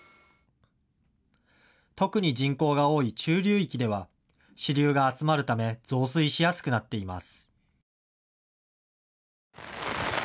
特に人口が多い中流域では支流が集まるため増水しやすくなっています。